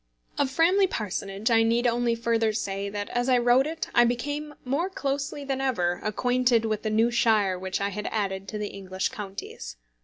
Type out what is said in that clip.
Of Framley Parsonage I need only further say, that as I wrote it I became more closely than ever acquainted with the new shire which I had added to the English counties.